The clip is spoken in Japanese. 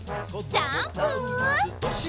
ジャンプ！